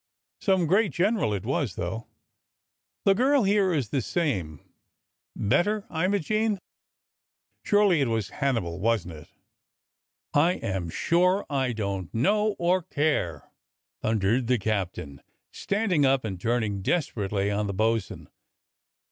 Some great general it was, though. The girl here is the same. Better, Imogene.^ Siu'ely it was Hannibal, wasn't it.^" "I am sure I don't know, or care," thundered the captain, standing up and turning desperately on the bo'sun.